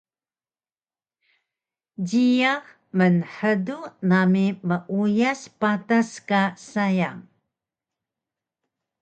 Jiyax mnhdu nami meuyas patas ka sayang